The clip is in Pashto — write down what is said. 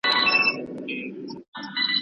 ډلي به راسي د توتکیو